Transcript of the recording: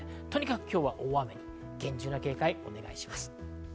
今日は大雨に厳重な警戒をお願いします。